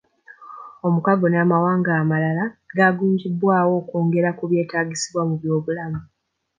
Omukago n'amawanga amalala zagunjibwawo okwongera ku byetaagisibwa mu by'obulamu.